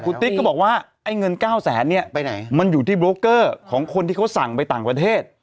ติ๊กก็บอกว่าไอ้เงิน๙แสนเนี่ยไปไหนมันอยู่ที่โบรกเกอร์ของคนที่เขาสั่งไปต่างประเทศ